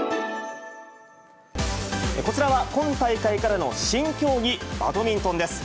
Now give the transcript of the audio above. こちらは、今大会からの新競技、バドミントンです。